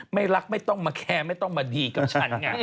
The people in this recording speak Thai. ไม่รักไม่ต้องมาแคร์ไม่ต้องมาดีกับฉันไง